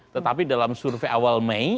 tetapi dalam survei awal mei